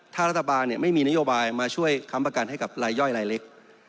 ถ้ารัฐบาลไม่มีนโยบายมาช่วยค้ำประกันให้กับรายย่อยรายเล็ก